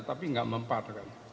tapi tidak mempadakan